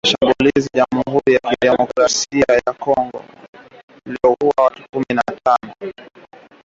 Kundi la Dola la kiislamu limedai kuhusika na shambulizi la Jamuhuri ya Kidemokrasia ya Kongo lililouwa watu kumi na tano